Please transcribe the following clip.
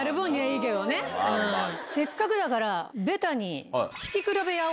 せっかくだからベタに。